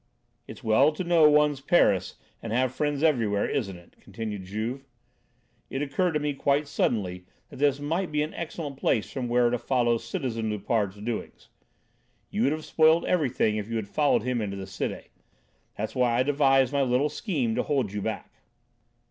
"It's well to know one's Paris and have friends everywhere, isn't it?" continued Juve. "It occurred to me quite suddenly that this might be an excellent place from where to follow citizen Loupart's doings. You would have spoiled everything if you had followed him into the Cité. That's why I devised my little scheme to hold you back."